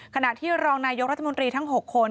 ขณะที่รองนายกรัฐมนตรีทั้ง๖คน